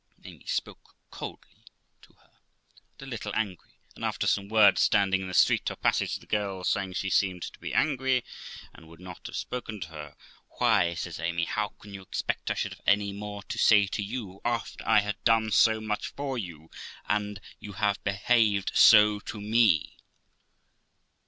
Amy spoke coldly to her, and a little angry 5 and after some words, standing in the street or passage, the girl saying she seemed to be angry, and would not have spoken to her, 'Why', says Amy, how can you expect I should have any more to say to you, after I had done so much for you, and you have behaved so to me?'